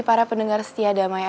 para pendengar setia damai